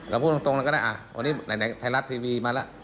พูดตรงแล้วก็ได้อ่ะวันนี้ไหนไทยรัฐทีวีมาแล้ว